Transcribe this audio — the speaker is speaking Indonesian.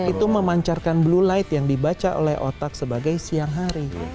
itu memancarkan blue light yang dibaca oleh otak sebagai siang hari